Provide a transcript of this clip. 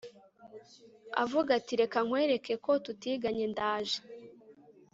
avuga atireka nkwereke ko tutiganye ndaje